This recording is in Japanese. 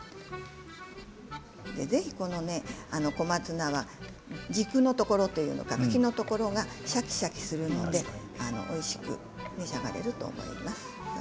ぜひ、この小松菜は軸のところというのかな茎のところがシャキシャキするのでおいしく召し上がれると思います。